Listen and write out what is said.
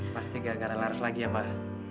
pasti gak gara laras lagi ya pak